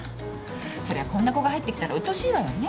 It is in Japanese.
そりゃこんな子が入ってきたらうっとうしいわよね。